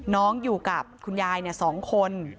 อยู่กับคุณยาย๒คน